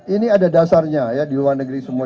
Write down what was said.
ini ada dasarnya ya di luar negeri semua